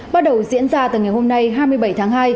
bắt đầu diễn ra từ ngày hôm nay hai mươi bảy tháng hai